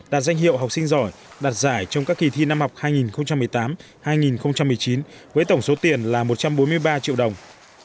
đạt danh hiệu học sinh giỏi đạt giải trong các kỳ thi năm học hai nghìn một mươi tám hai nghìn một mươi chín với tổng số tiền là một trăm bốn mươi ba triệu đồng